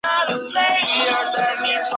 阿罗人口变化图示